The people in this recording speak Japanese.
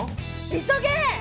急げ！